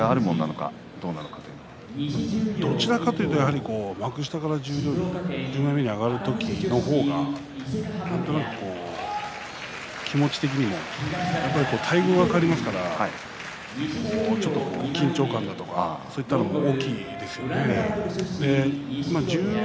どちらかというと幕下から十両に上がる時の方が気持ち的に待遇が変わりますから緊張感とか、そういったものが大きいですよね。